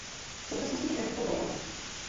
V současnost je trenérkou volejbalu.